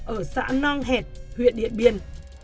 ở xã nong hẹt huyện điện biên